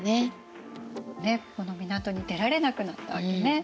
ねっこの港に出られなくなったわけね。